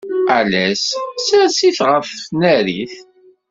Ales ssers-it ɣef tnarit.